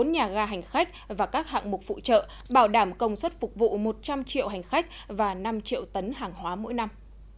bốn nhà ga hành khách và các hạng mục phụ trợ bảo đảm công suất phục vụ một trăm linh triệu hành khách và năm triệu tấn hàng hóa mỗi năm